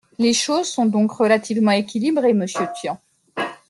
Les choses sont donc relativement équilibrées, monsieur Tian.